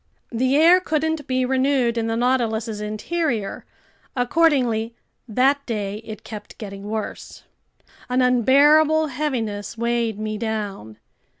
The air couldn't be renewed in the Nautilus's interior. Accordingly, that day it kept getting worse. An unbearable heaviness weighed me down.